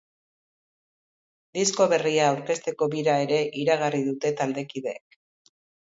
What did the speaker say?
Disko berria aurkezteko bira ere iragarri dute taldekideek.